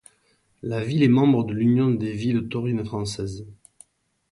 La ville est membre du l'Union des villes taurines françaises.